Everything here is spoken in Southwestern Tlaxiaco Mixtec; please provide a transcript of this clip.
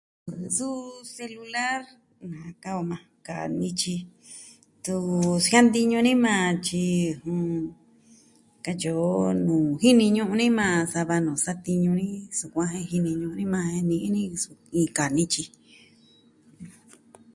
Suu selular, kaa o maa, kaa nityi, tun jiantiñu ni majan, tyi katyi o... jini ñu'un ni majan sa va nuu satiñu ni, sukuan jini ñu'un ni majan jen ni'in ni iin kaa nityi.